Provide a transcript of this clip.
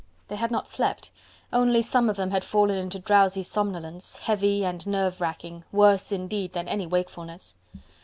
They had not slept, only some of them had fallen into drowsy somnolence, heavy and nerve racking, worse indeed than any wakefulness.